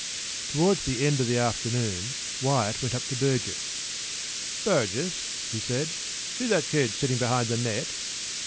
p> Towards the end of the afternoon, Wyatt went up to Burgess. “Burgess,” he said, “see that kid sitting behind the net?